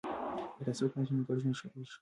که تعصب کم سي نو ګډ ژوند ښه کیږي.